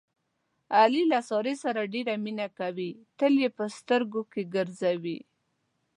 علي له سارې سره ډېره مینه کوي، تل یې په سترګو کې ګرځوي.